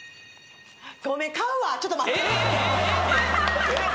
ごめん買うわちょっと待ってえ？え？